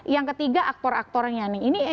yang ketiga aktor aktornya nih